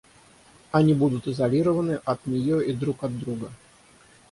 Они будут изолированы от нее и друг от друга